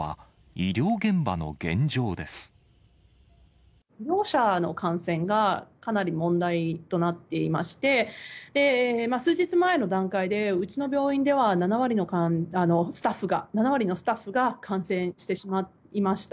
医療者の感染がかなり問題となっていまして、数日前の段階で、うちの病院では７割のスタッフが、７割のスタッフが感染してしまいました。